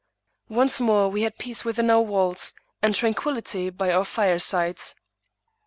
Once more we had peace within our walls, and tranquillity by our firesides.